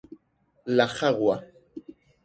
La Jagua